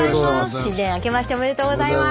新年あけましておめでとうございます。